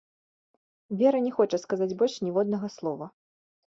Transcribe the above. Вера не хоча сказаць больш ніводнага слова.